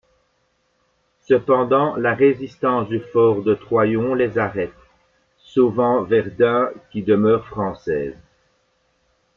Cependant, la résistance du fort de Troyon les arrête, sauvant Verdun qui demeure française.